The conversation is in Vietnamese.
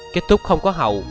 kết thúc không có hậu